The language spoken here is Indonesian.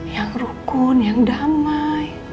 yang rukun yang damai